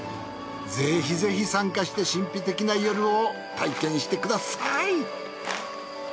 ぜひぜひ参加して神秘的な夜を体験してください。